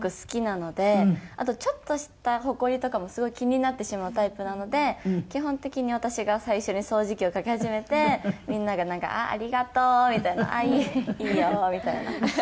あとちょっとしたほこりとかもすごい気になってしまうタイプなので基本的に私が最初に掃除機をかけ始めてみんながなんか「あっありがとう」みたいな「あっいいよ」みたいな。